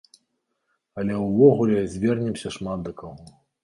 Але ўвогуле звернемся шмат да каго.